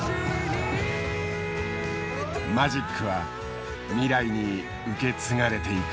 マジックは未来に受け継がれていく。